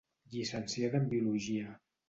Llicenciada en biologia.